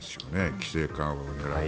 規制緩和を狙う。